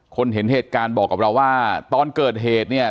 เห็นเหตุการณ์บอกกับเราว่าตอนเกิดเหตุเนี่ย